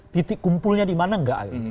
titik kumpulnya di mana nggak ada